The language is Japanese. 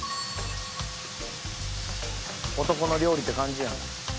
「男の料理って感じやん」